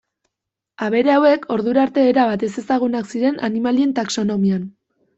Abere hauek ordura arte erabat ezezagunak ziren animalien taxonomian.